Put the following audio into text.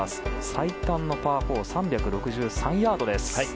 最短のパー４３６３ヤードです。